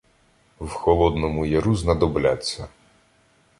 В Холодному Яру знадобляться.